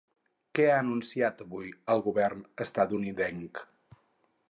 Què ha anunciat avui el govern estatunidenc?